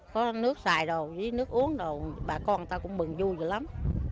có nước xài đồ với nước uống đồ bà con ta cũng mừng vui vẻ lắm